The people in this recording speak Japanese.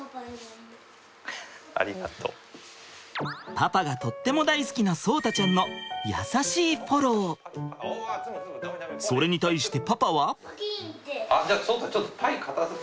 パパがとっても大好きな聡太ちゃんのそれに対してパパは？